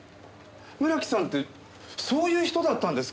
村木さんってそういう人だったんですか？